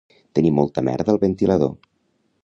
Tenir molta merda al ventilador